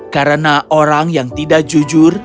karena orang yang tidak jujur